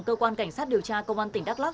cơ quan cảnh sát điều tra công an tỉnh đắk lắc